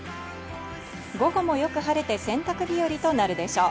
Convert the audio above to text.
午後もよく晴れて洗濯日和となるでしょう。